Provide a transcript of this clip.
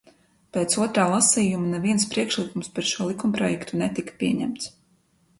Pēc otrā lasījuma neviens priekšlikums par šo likumprojektu netika saņemts.